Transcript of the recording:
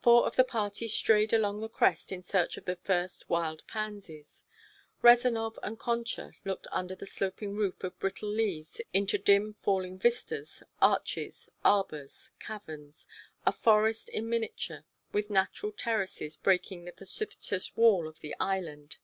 Four of the party strayed along the crest in search of the first wild pansies. Rezanov and Concha looked under the sloping roof of brittle leaves into dim falling vistas, arches, arbors, caverns, a forest in miniature with natural terraces breaking the precipitous wall of the island.